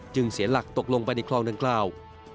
เสียหลักตกลงไปในคลองดังกล่าว